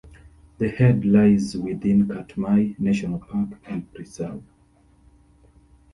The head lies within Katmai National Park and Preserve.